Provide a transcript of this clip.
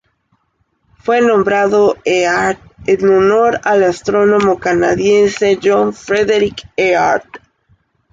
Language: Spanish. Fue nombrado Heard en honor al astrónomo canadiense John Frederick Heard.